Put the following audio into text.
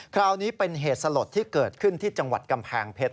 คราวนี้เป็นเหตุสลดที่เกิดขึ้นที่จังหวัดกำแพงเพชร